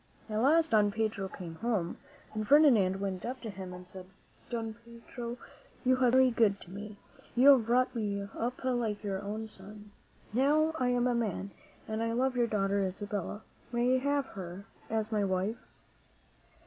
At last Don Pedro came home, and Ferdinand went up to him and said, "Don Pedro, you have been very good to me. You have brought me up like your own son. Now I am a man and I love your daughter, Isabella. May I have her as my wife?"